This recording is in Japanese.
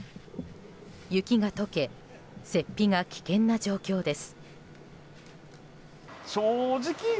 雪が解け雪庇が危険な状況です。